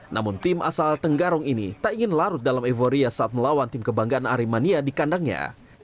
namun tim asal tenggarong ini tak ingin larut dalam euforia saat melawan tim kebanggaan aremania di kandangnya